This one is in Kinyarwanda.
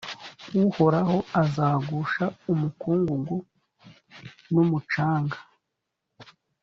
uhoraho azagusha umukungugu n’umucanga: